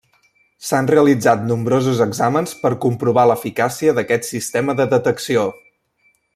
S'han realitzat nombrosos exàmens per comprovar l'eficàcia d'aquest sistema de detecció.